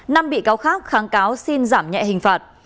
năm bị cáo khác kháng cáo xin giảm nhẹ hình phạt